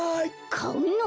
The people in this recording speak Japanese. かうの？